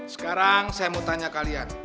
sekarang saya mau tanya kalian